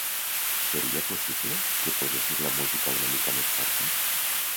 Seria possible que posessis la música una mica més forta?